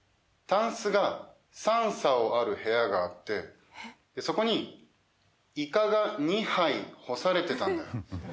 タンスが３棹ある部屋があってそこにイカが２杯干されてたんだよ。